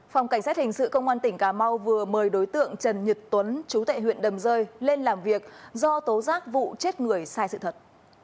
phòng cảnh sát hình sự công an tỉnh cà mau vừa mời đối tượng trần nhật tuấn chú tệ huyện đầm rơi lên làm việc do tố giác vụ chết người sai sự thật